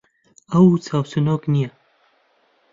ئەو چاوچنۆک نییە.